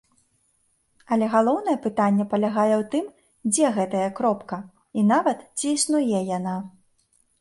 Але галоўнае пытанне палягае ў тым, дзе гэтая кропка, і нават, ці існуе яна.